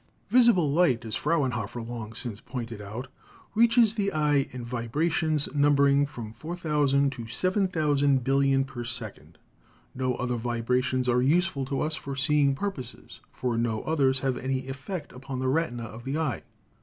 Visible light, as Frauenhofer long since pointed out, reaches the eye in vibrations numbering from 4,000 to 7,000 billion per second. No other vibrations are useful to us for seeing purposes, for no others have any effect upon the retina of the eye.